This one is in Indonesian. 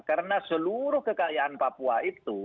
karena seluruh kekayaan papua itu